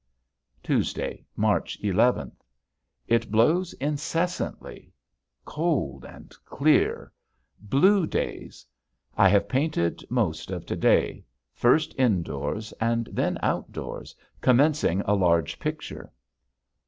Tuesday, March eleventh. It blows incessantly, cold and clear, blue days. I have painted most of to day, first indoors, and then outdoors commencing a large picture.